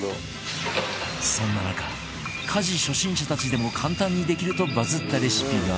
そんな中家事初心者たちでも簡単にできるとバズったレシピが